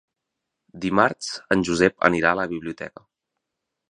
Dimarts en Josep anirà a la biblioteca.